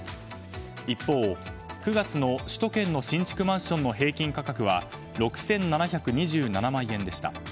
一方、９月の首都圏の新築マンションの平均価格は６７２７万円でした。